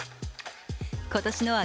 今年の秋